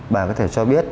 bà có thể cho biết